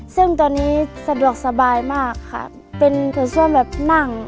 ซึ่งตอนนี้สะดวกสบายมากค่ะเป็นตัวส้มแบบนั่ง